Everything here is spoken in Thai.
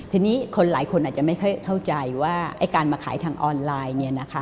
ทีนี้คนหลายคนอาจจะไม่ค่อยเข้าใจว่าการมาขายทางออนไลน์